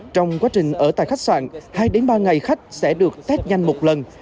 trong quá trình ở tại khách sạn hai ba ngày khách sẽ được test nhanh một lần